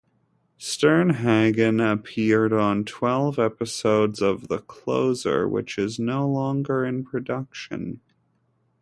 Sternhagen appeared on twelve episodes of "The Closer," which is no longer in production.